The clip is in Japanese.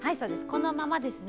このままですね。